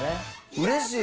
うれしい。